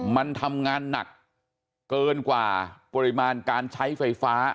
มันทำงานหนักเกินกว่าปริมาณการใช้ไฟฟ้า